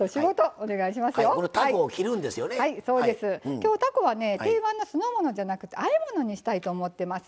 きょうたこはね定番の酢の物じゃなくてあえ物にしたいと思ってます。